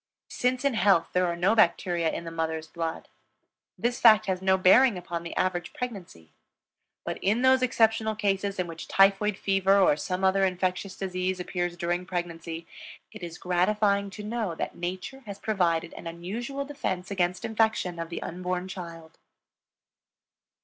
Since in health there are no bacteria in the mother's blood, this fact has no bearing upon the average pregnancy; but in those exceptional cases in which typhoid fever or some other infectious disease appears during pregnancy, it is gratifying to know that Nature has provided an unusual defense against infection of the unborn child.